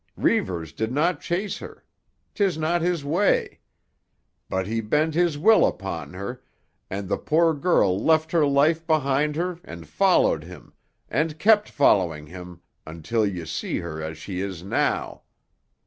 Reivers did not chase her. 'Tis not his way. But he bent his will upon her, and the poor girl left her life behind her and followed him, and kept following him, until ye see her as she is now.